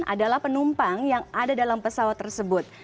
adalah penumpang yang ada dalam pesawat tersebut